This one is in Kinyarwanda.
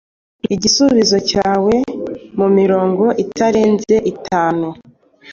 igisubizo cyawe mu mirongo itarenze itanu.